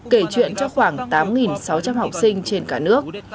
kể chuyện cho khoảng tám sáu trăm linh học sinh trên cả nước